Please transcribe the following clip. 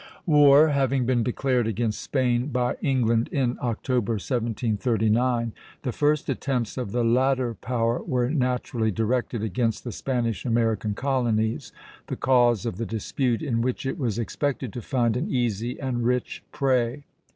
War having been declared against Spain by England in October, 1739, the first attempts of the latter power were naturally directed against the Spanish American colonies, the cause of the dispute, in which it was expected to find an easy and rich prey.